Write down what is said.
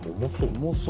重そう。